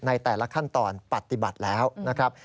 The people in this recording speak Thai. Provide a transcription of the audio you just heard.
ในแต่ละขั้นตอนปฏิบัติแล้วนะครับ